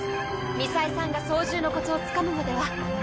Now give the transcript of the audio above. みさえさんが操縦のコツをつかむまではワタシが！